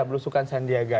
kita berusukan sandiaga